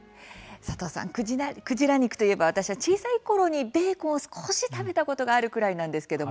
佐藤さん、クジラ肉といえば私は小さいころにベーコンを少し食べたことがあるくらいなんですけども。